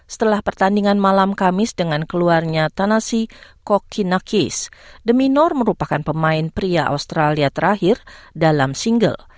setelah pertandingan malam kamis dengan keluarnya tanasi kokinakis the minor merupakan pemain pria australia terakhir dalam single